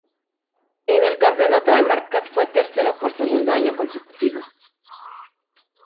En el campeonato de marcas fue tercero por segundo año consecutivo.